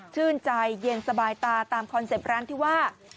ชื่นใจเย็นสบายตาตามคอนเซ็ปต์ร้านที่ว่า